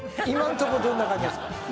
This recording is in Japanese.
今のところどんな感じですか？